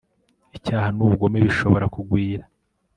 icyaha nubugome bishobora kugwira